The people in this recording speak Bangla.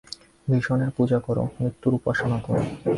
ভীষণের পূজা কর, মৃত্যুর উপাসনা কর।